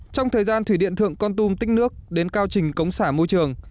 trong thời gian thủy điện thượng con tum tích nước đến cao trình cống xả môi trường